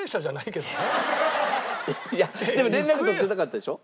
いやでも連絡取ってなかったでしょ？